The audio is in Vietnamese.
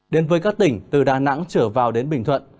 đến với các tỉnh từ đà nẵng trở vào đến bình thuận